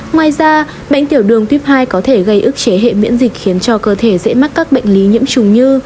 ngoài ra bệnh tiểu đường tuyếp hai có thể gây ức chế hệ miễn dịch khiến cho cơ thể dễ mắc các bệnh lý nhiễm trùng như